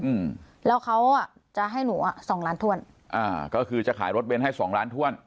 อืมแล้วเขาอ่ะจะให้หนูอ่ะสองล้านถ้วนอ่าก็คือจะขายรถเน้นให้สองล้านถ้วน